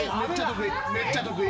めっちゃ得意